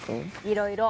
いろいろ。